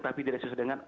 tapi tidak sesuai dengan